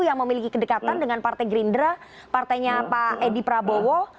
yang memiliki kedekatan dengan partai gerindra partainya pak edi prabowo